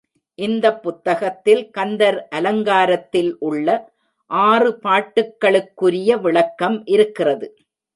இந்தப் புத்தகத்தில் கந்தர் அலங்காரத்தில் உள்ள ஆறு பாட்டுக்களுக்குரிய விளக்கம் இருக்கிறது.